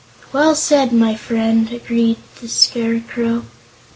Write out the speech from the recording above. "Well said, my friend," agreed tile Scarecrow.